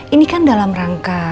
ini kan dalam rangka